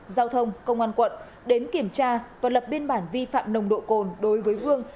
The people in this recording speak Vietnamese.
giao thông công an quận đến kiểm tra và lập biên bản vi phạm nồng độ cồn đối với vương